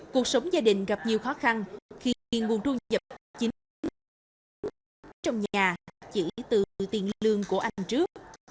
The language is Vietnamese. cuộc sống gia đình gặp nhiều khó khăn khi nguồn thu nhập chính trong nhà chỉ từ tiền lương của anh trước